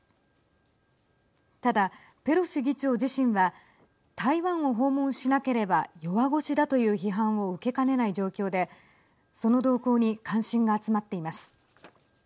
ただ、ペロシ議長自身は台湾を訪問しなければ弱腰だという批判を受けかねない状況でその動向に関心が集まっています。